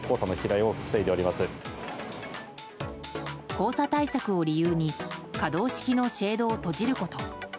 黄砂対策を理由に可動式のシェードを閉じること。